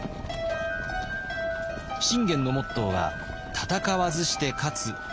信玄のモットーは「戦わずして勝つ」だったはず。